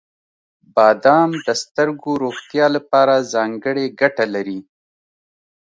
• بادام د سترګو روغتیا لپاره ځانګړې ګټه لري.